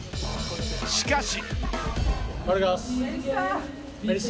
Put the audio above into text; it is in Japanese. しかし。